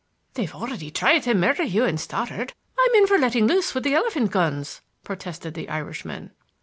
"They've already tried to murder you and Stoddard, —I'm in for letting loose with the elephant guns," protested the Irishman.